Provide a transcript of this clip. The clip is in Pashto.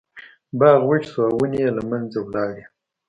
باغ وچ شو او ونې یې له منځه لاړې.